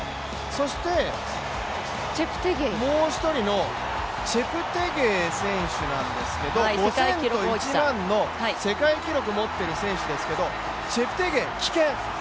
そしてもう一人のチェプテゲイ選手なんですけど、５０００と１００００ｍの世界記録持ってる選手ですけどチェプテゲイ、棄権。